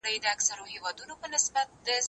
هغه وويل چي پاکوالي مهم دی